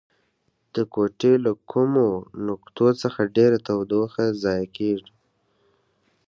د کوټې له کومو نقطو څخه ډیره تودوخه ضایع کیږي؟